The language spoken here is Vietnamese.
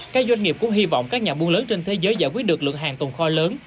các doanh nghiệp cũng hy vọng các nhà buôn lớn trên thế giới giải quyết được lượng hàng tồn kho lớn